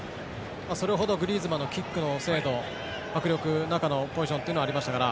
それほどグリーズマンのキックの精度、迫力中のポジションというのがありましたから。